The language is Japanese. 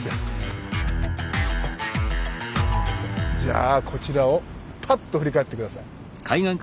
じゃあこちらをパッと振り返って下さい。